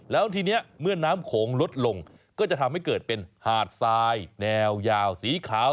แล้วทีนี้เมื่อน้ำโขงลดลงก็จะทำให้เกิดเป็นหาดทรายแนวยาวสีขาว